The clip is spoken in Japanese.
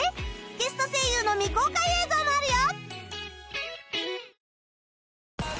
ゲスト声優の未公開映像もあるよ